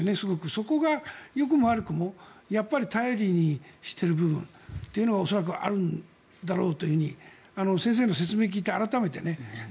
そこがよくも悪くも頼りにしている部分というのが恐らくあるんだろうと先生の説明を聞いて、改めてね。